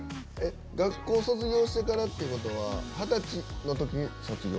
学校卒業してからっていうことは二十歳のときに卒業？